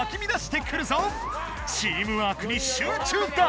チームワークに集中だ！